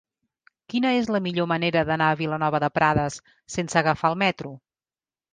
Quina és la millor manera d'anar a Vilanova de Prades sense agafar el metro?